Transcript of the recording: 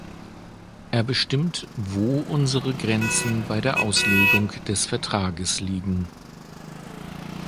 Er bestimmt, wo unsere Grenzen bei der Auslegung des Vertrages liegen.